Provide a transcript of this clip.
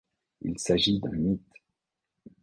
Il s'agit d'un mythe.